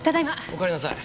おかえりなさい。